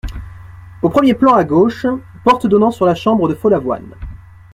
Au premier plan, à gauche, porte donnant sur la chambre de Follavoine.